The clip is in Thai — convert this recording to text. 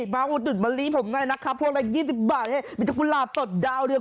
มาอุตสุดมารีผมไงนะครับพวกแหลกยี่สิบบาทเฮ้มีกระพุนหลาดสดดาวเรือง